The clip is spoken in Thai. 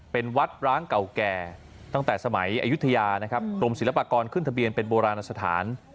เป็นวัดร้างเก่าแก่ตั้งแต่สมัยอายุทยานะครับกรมศิลปากรขึ้นทะเบียนเป็นโบราณสถาน